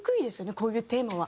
こういうテーマは。